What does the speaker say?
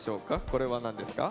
これは何ですか？